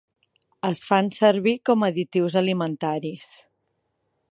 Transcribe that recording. Es fan servir com additius alimentaris.